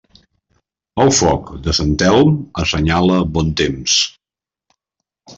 El foc de Sant Telm assenyala bon temps.